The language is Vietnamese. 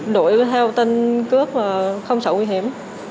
đuổi theo tên cướp không sợ nguy hiểm